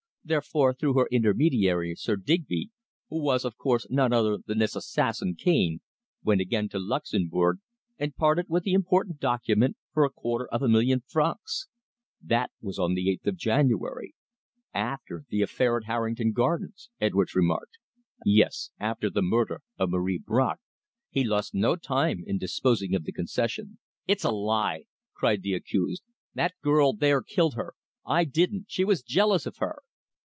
Therefore, through her intermediary, Sir Digby who was, of course, none other than this assassin, Cane went again to Luxemburg and parted with the important document for a quarter of a million francs. That was on the eighth of January." "After the affair at Harrington Gardens," Edwards remarked. "Yes; after the murder of Marie Bracq, he lost no time in disposing of the concession." "It's a lie!" cried the accused. "That girl there killed her. I didn't she was jealous of her!"